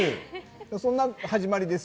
そんな始まりです。